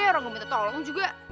orang mau minta tolong juga